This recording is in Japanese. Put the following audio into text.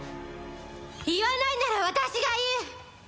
言わないんなら私が言う！